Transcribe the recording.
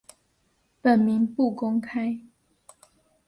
本名不公开。